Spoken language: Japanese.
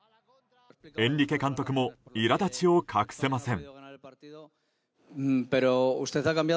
エンリケ監督も苛立ちを隠せません。